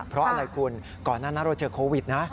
เพราะอะไรคุณก่อนหน้านั้นเราเจอโควิดนะ